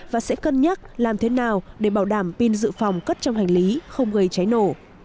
và sẽ cân nhắc làm thế nào để bảo đảm pin dự phòng cất trong hành lý không gây cháy nổ